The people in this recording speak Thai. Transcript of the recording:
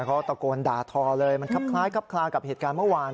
เขาตะโกนด่าทอเลยมันครับคล้ายครับคลากับเหตุการณ์เมื่อวาน